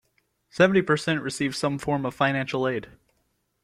Seventy percent received some form of financial aid.